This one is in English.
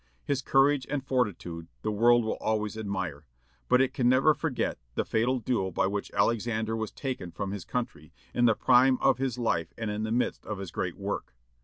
His courage and fortitude the world will always admire; but it can never forget the fatal duel by which Alexander Hamilton was taken from his country, in the prime of his life and in the midst of his great work.